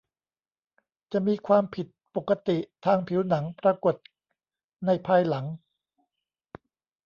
จะมีความผิดปกติทางผิวหนังปรากฏในภายหลัง